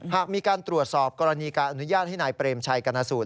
หากมีการตรวจสอบกรณีการอนุญาตให้นายเปรมชัยกรณสูตร